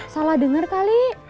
salah denger kali